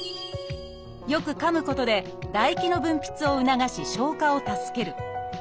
よくかむことで唾液の分泌を促し消化を助ける。